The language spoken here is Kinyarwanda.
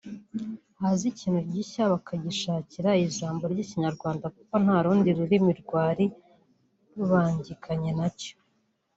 Haza ikintu gishya bakagishakira ijambo ry’Ikinyarwanda kuko nta rundi rurimi rwari rubangikanye na cyo